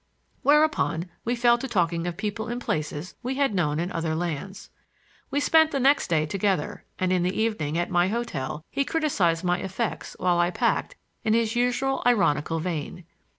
Whereupon we fell to talking of people and places we had known in other lands. We spent the next day together, and in the evening, at my hotel, he criticized my effects while I packed, in his usual ironical vein.